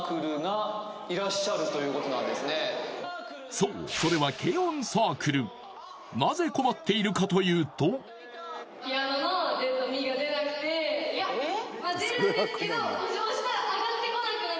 そうそれはなぜ困っているかというと・えっ？